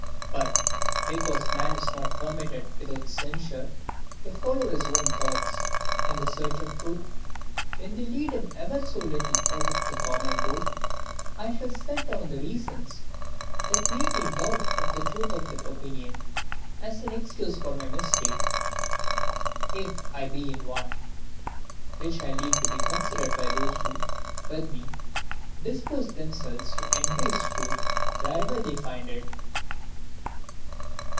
But because a man is not permitted without censure to follow his own thoughts in the search of truth, when they lead him ever so little out of the common road, I shall set down the reasons that made me doubt of the truth of that opinion, as an excuse for my mistake, if I be in one; which I leave to be considered by those who, with me, dispose themselves to embrace truth wherever they find it.